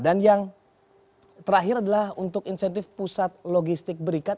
dan yang terakhir adalah untuk insentif pusat logistik berikat